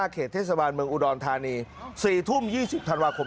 เขตเทศบาลเมืองอุดรธานี๔ทุ่ม๒๐ธันวาคม